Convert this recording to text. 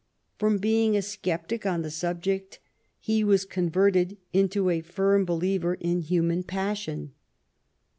From being a sceptic on the subject, he was converted into a firm believer in human passion.